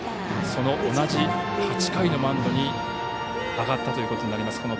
その同じ８回のマウンドに上がったということになります。